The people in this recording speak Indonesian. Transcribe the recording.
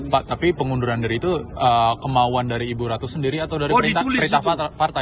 pak tapi pengunduran diri itu kemauan dari ibu ratu sendiri atau dari perintah partai